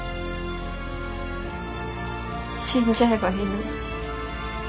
死んじゃえばいいのに。